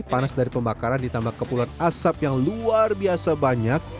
panas dari pembakaran ditambah kepulan asap yang luar biasa banyak